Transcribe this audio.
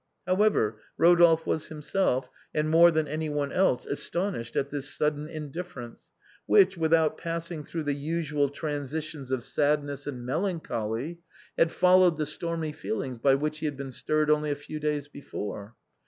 However, Eodolphe was himself, and more than any one else, astonished at this sudden indifference, which, without passing through the usual transitions of sadness and mel MIMI IN FINE FEATHER. 385 ancholy, had followed the stormy feelings by which he had been stirred only a few days before.